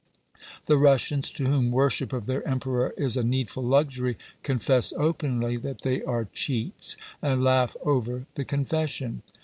The Bussians, to whom worship of their emperor is a needful luxury, confess openly that they are cheats, and laugh over the confes sion.